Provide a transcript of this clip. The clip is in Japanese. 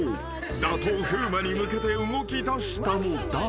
［打倒風磨に向けて動きだしたのだが］